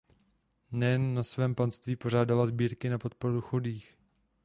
Nejen na svém panství pořádala sbírky na podporu chudých.